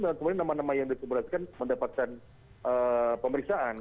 dan kemudian nama nama yang disuburaskan mendapatkan pemeriksaan